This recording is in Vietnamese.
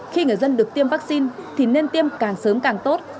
khi người dân được tiêm vaccine thì nên tiêm càng sớm càng tốt